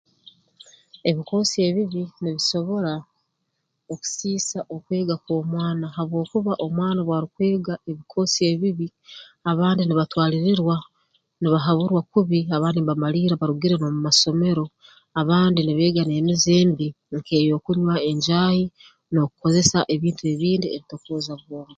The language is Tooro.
Ebikoosi ebibi nibisobora okusiisa okwega kw'omwana habwokuba omwana obu arukwega ebikoosi ebibi abandi nibatwalirirwa nibahaburwa kubi abandi nibamalirra barugire n'omu masomero abandi nibeega n'emize embi ey'okunywa enjaahi n'okukozesa ebintu ebindi ebitokooza-bwongo